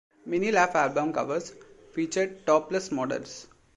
Many Laff album covers featured topless models.